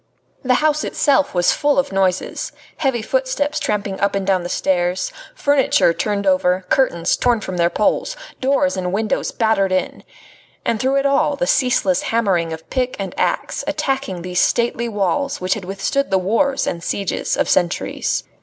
The house itself was full of noises; heavy footsteps tramping up and down the stairs, furniture turned over, curtains torn from their poles, doors and windows battered in. And through it all the ceaseless hammering of pick and axe, attacking these stately walls which had withstood the wars and sieges of centuries.